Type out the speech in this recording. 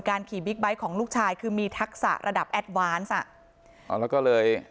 ขี่บิ๊กไบท์ของลูกชายคือมีทักษะระดับแอดวานซ์อ่ะอ๋อแล้วก็เลย